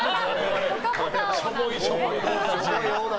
しょぼい、しょぼい。